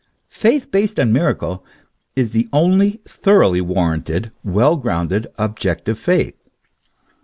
Faith based on miracle is the only thoroughly warranted, well grounded, objective faith.